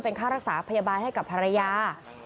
เป็นค่ารักษาพยาบาลให้กับภรรยา